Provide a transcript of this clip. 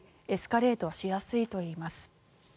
エスカレートしやすいといいます。